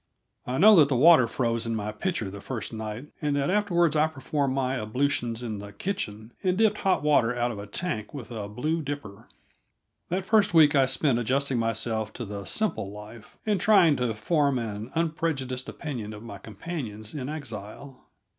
I know that the water froze in my pitcher the first night, and that afterward I performed my ablutions in the kitchen, and dipped hot water out of a tank with a blue dipper. That first week I spent adjusting myself to the simple life, and trying to form an unprejudiced opinion of my companions in exile.